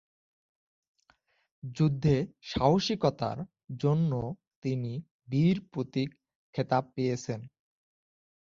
যুদ্ধে সাহসিকতার জন্য তিনি বীর প্রতীক খেতাব পেয়েছেন।